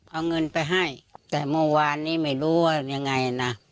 เอาเงินไปให้แต่เมื่อวานนี้ไม่รู้ว่ายังไงนะ